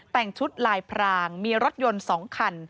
แต่งชุดลายพรางมีรถยนต์๒คัน